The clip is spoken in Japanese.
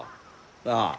なあ？